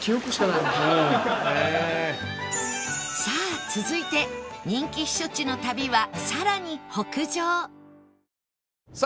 さあ続いて人気避暑地の旅はさらに北上